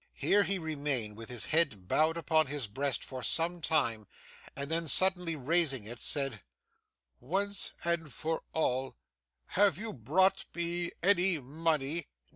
Here he remained, with his head bowed upon his breast for some time, and then suddenly raising it, said, 'Once, and once for all, have you brought me any money?